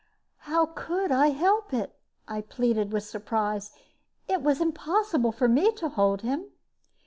"How could I help it?" I pleaded, with surprise. "It was impossible for me to hold him."